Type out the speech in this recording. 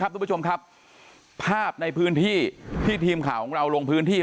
ทุกผู้ชมครับภาพในพื้นที่ที่ทีมข่าวของเราลงพื้นที่